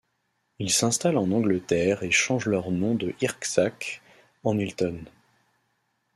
Ils s'installent en Angleterre et changent leur nom de Hircsák en Hilton.